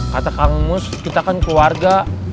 kata kang mus kita kan keluarga